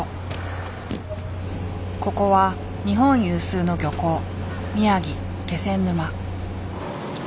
ここは日本有数の漁港宮城・気仙沼。